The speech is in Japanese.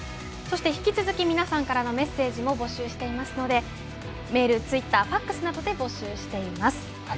引き続き、皆さんからのメッセージも募集していますのでメール、ツイッターＦＡＸなどで募集しています。